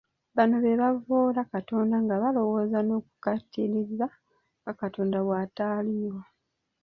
Bano be bavvoola Katonda nga balowooza n'okukkaatiriza nga Katonda bw'ataliiwo.